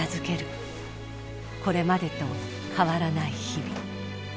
これまでと変わらない日々。